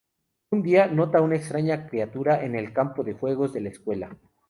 Un día, nota una extraña criatura en el campo de juegos de la escuela.